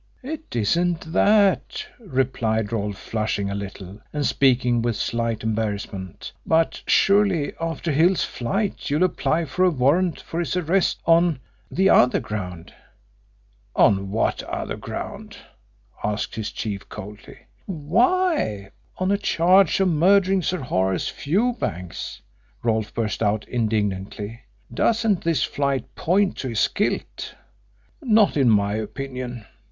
"It isn't that," replied Rolfe, flushing a little, and speaking with slight embarrassment. "But surely after Hill's flight you'll apply for a warrant for his arrest on the other ground." "On what other ground?" asked his chief coldly. "Why, on a charge of murdering Sir Horace Fewbanks," Rolfe burst out indignantly. "Doesn't this flight point to his guilt?" "Not in my opinion."